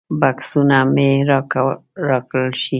بکسونه مو راکړل شي.